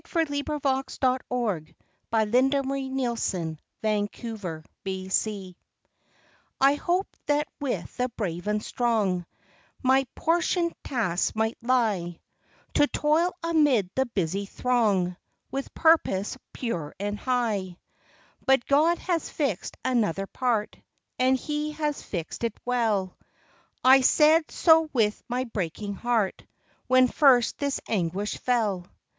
Fratices Anne Kemble. HE DOETH ALL THINGS WELL. T HOPED that with the brave and strong My portioned task might lie; To toil amid the busy throng With purpose pure and high; But God has fixed another part, And He has fixed it well; I said so with my breaking heart When first this anguish fell.